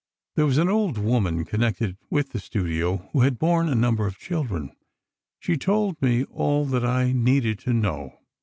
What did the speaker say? There was an old woman connected with the studio, who had borne a number of children. She told me all that I needed to know.